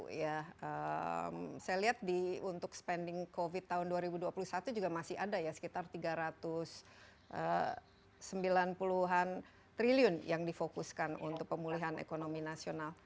saya lihat untuk spending covid tahun dua ribu dua puluh satu juga masih ada ya sekitar tiga ratus sembilan puluh an triliun yang difokuskan untuk pemulihan ekonomi nasional